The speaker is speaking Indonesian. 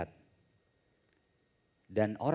tapi pertanyaan kemudian bisa membawa kita tersesat